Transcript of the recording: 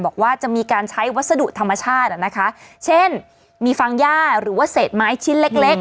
บอกว่าจะมีการใช้วัสดุธรรมชาติอ่ะนะคะเช่นมีฟางย่าหรือว่าเศษไม้ชิ้นเล็กเล็ก